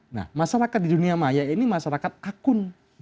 nah masyarakat di dunia maya ini masyarakat akun